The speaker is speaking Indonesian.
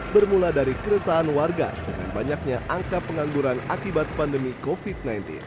bermula dari keresahan warga dengan banyaknya angka pengangguran akibat pandemi covid sembilan belas